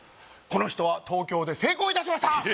この人は東京で成功いたしました！